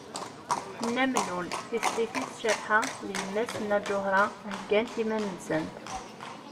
Nna Mennun, tislit-is Cabḥa d yemma-s Nna Ǧuhra heyyant iman-nsent.